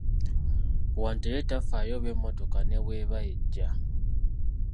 Wante ye tafaayo oba emmotoka ne bw'eba ejja.